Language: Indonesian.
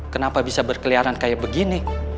kenapa bisa berkeliaran kayak begini